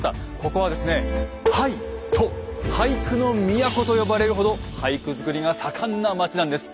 ここはですね「俳都」俳句の都と呼ばれるほど俳句作りが盛んな町なんです。